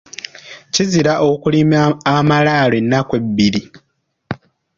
Kizira okulima amalaalo ennaku ebbiri.